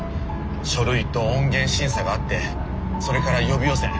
書類と音源審査があってそれから予備予選。